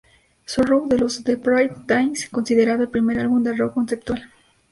Sorrow" de los The Pretty Things, considerado el primer álbum de rock conceptual.